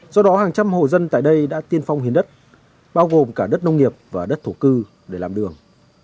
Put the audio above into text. do đó hàng trăm hộ dân tại đây đã tiên phong hiến đất bao gồm cả đất nông nghiệp và đất thổ cư để làm đường